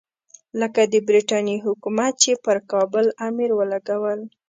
لکه د برټانیې حکومت چې پر کابل امیر ولګول.